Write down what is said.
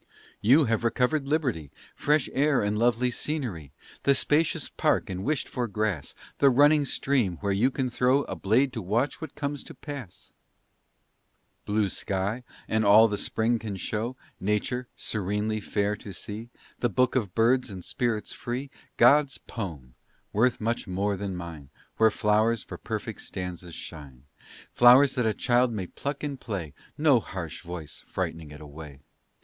You have recovered liberty, Fresh air and lovely scenery, The spacious park and wished for grass; The running stream, where you can throw A blade to watch what comes to pass; Blue sky, and all the spring can show; Nature, serenely fair to see; The book of birds and spirits free, God's poem, worth much more than mine, Where flowers for perfect stanzas shine Flowers that a child may pluck in play, No harsh voice frightening it away.